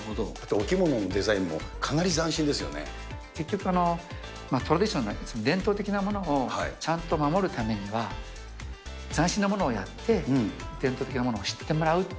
お着物のデザイン結局、トラディショナルな、伝統的なものをちゃんと守るためには、斬新なものをやって、伝統的なものを知ってもらう。